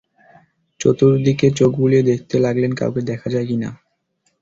চতুর্দিকে চোখ বুলিয়ে দেখতে লাগলেন, কাউকে দেখা যায় কিনা।